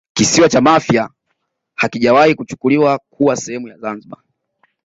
Kisiwa cha Mafia hakijawahi kuchukuliwa kuwa sehemu ya Zanzibar